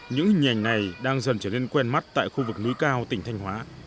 những hình ảnh này đang dần trở nên quen mắt tại khu vực núi cao tỉnh thanh hóa